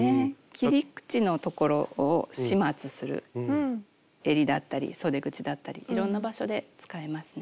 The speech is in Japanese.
切り口のところを始末するえりだったりそで口だったりいろんな場所で使えますね。